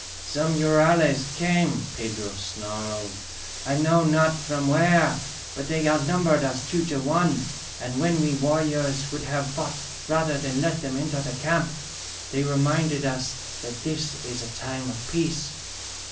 "Some rurales came!" Pedro snarled. "I know not from where! But they outnumbered us two to one. And when we warriors would have fought rather than let them enter the camp, they reminded us that this is a time of peace!